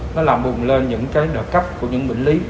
nó làm bùng lên những đợt cấp của những bệnh lý